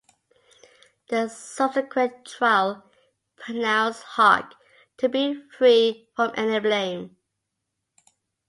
The subsequent trial pronounced "Hawke" to be free from any blame.